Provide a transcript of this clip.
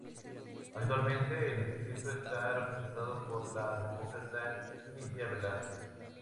Actualmente el distrito está representado por la Demócrata Nydia Velazquez.